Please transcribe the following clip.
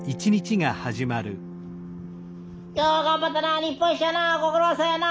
よう頑張ったな日本一やなご苦労さんやな。